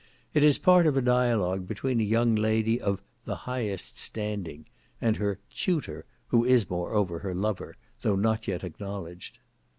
It is part of a dialogue between a young lady of the "highest standing" and her "tutor," who is moreover her lover, though not yet acknowledged.